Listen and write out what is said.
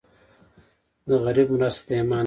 د غریب مرسته د ایمان نښه ده.